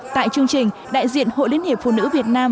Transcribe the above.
tại chương trình đại diện hội liên hiệp phụ nữ việt nam